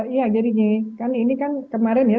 iya jadi ini kan kemarin ya